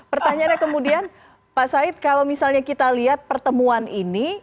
pertanyaannya kemudian pak said kalau misalnya kita lihat pertemuan ini